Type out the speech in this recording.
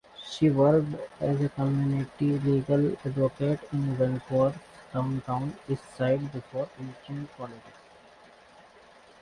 She worked as a community legal advocate in Vancouver's Downtown Eastside before entering politics.